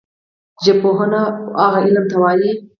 ژبپوهنه وهغه علم ته وايي